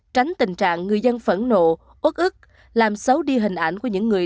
tránh tình trạng người dân phẫn nộ út ức làm xấu đi hình ảnh của những người